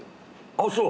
あっそう？